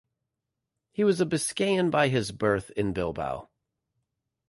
He was a Biscayan by his birth in Bilbao.